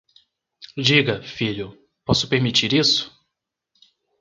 Diga, filho, posso permitir isso?